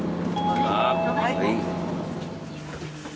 はい。